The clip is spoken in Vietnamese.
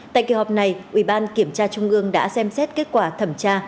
tại kỳ họp này ủy ban kiểm tra trung ương đã xem xét kết quả thẩm tra